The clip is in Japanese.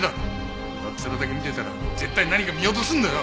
上っ面だけ見てたら絶対に何か見落とすんだよ！